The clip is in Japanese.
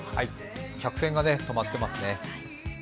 客船がとまってますね。